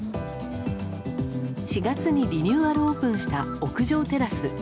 ４月にリニューアルオープンした屋上テラス。